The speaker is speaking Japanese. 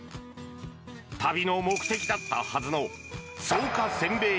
旅の目的だったはずの草加せんべい